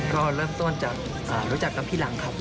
ก็เริ่มต้นจากรู้จักกับพี่หลังครับ